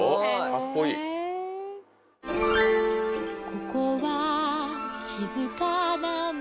「ここはしずかな町」